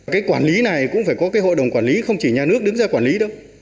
cái quản lý này cũng phải có cái hội đồng quản lý không chỉ nhà nước đứng ra quản lý đâu